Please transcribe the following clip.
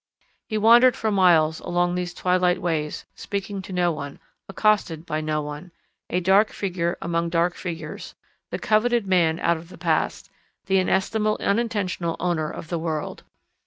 He wandered for miles along these twilight ways, speaking to no one, accosted by no one a dark figure among dark figures the coveted man out of the past, the inestimable unintentional owner of the world.